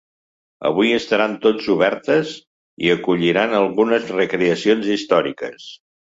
Avui estaran tots obertes i acolliran algunes recreacions històriques.